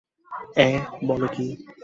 অ্যাঁ, বল কী!